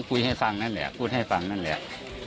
ให้ฟังนั่นแหละพูดให้ฟังนั่นแหละ